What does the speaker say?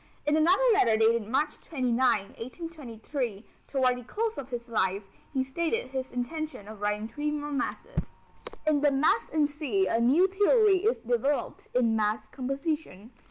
In another letter dated March 29, 1823, toward the close of his life, he stated his intention of writing three more masses. In the Mass in C a new theory is developed in mass composition.